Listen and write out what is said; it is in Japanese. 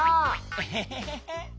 エヘヘヘヘ。